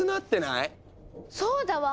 そうだわ！